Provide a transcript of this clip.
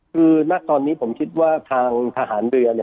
คือณตอนนี้ผมคิดว่าทางทหารเรือเนี่ย